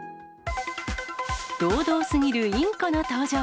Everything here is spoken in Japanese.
堂々すぎるインコの登場。